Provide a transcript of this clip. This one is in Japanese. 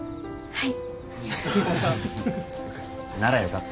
はい。